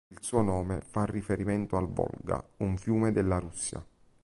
Il suo nome fa riferimento al Volga, un fiume della Russia.